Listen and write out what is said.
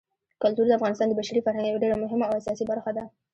کلتور د افغانستان د بشري فرهنګ یوه ډېره مهمه او اساسي برخه ده.